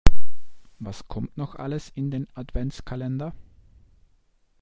Was kommt noch alles in den Adventskalender?